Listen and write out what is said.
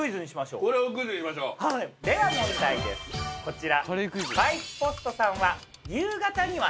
では問題ですこちら。